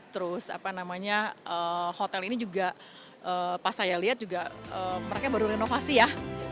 terus hotel ini juga pas saya lihat mereka baru renovasi ya